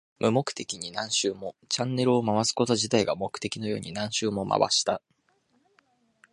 無目的に何周も。チャンネルを回すこと自体が目的のように何周も回した。